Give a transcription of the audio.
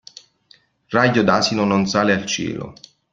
Raglio d'asino non sale al cielo.